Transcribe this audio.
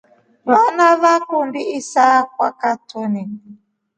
Vana veekundi isaakwa katuni.